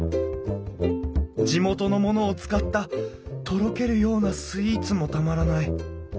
地元のものを使ったとろけるようなスイーツもたまらない。